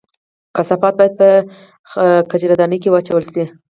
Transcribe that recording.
کثافات باید په خځلۍ کې واچول شي